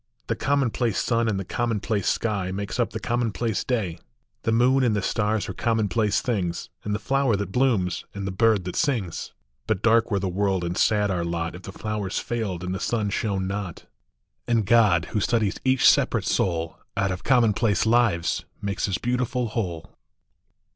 The commonplace sun in the commonplac sky, Makes up the commonplace day ; The moon and the stars are commonplace things, And the flower that blooms, and the bird that sings : But dark were the world and sad our lot If the flowers failed and the sun shone not ; And God, who studies each separate soul, Out of commonplace lives makes his beautiful whole.